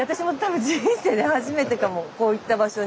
こういった場所に。